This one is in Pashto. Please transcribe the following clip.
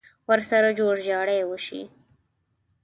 ورسره جوړ جاړی وشي.